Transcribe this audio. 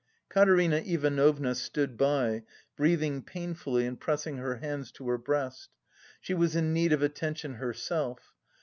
Katerina Ivanovna stood by, breathing painfully and pressing her hands to her breast. She was in need of attention herself.